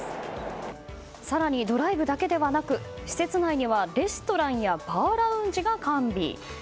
更にドライブだけではなく施設内には、レストランやバーラウンジが完備。